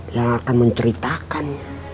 yang akan menceritakan